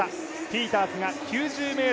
ピータースが９０ｍ４６。